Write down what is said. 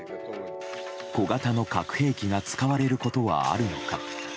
小型の核兵器が使われることはあるのか。